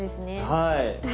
はい。